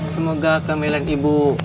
semoga kemilan ibu